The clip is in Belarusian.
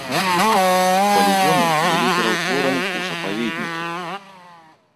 Палігоны былі пераўтвораны ў запаведнікі.